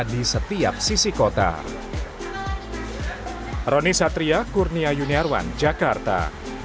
di setiap sisi kota